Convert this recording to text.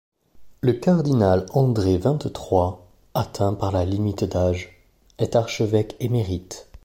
Le cardinal André Vingt-Trois, atteint par la limite d'âge, est archevêque émérite.